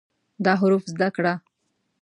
دا حروف زده کړه